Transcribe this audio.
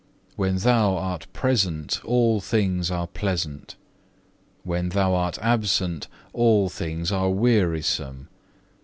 When Thou art present all things are pleasant; when Thou art absent, all things are wearisome.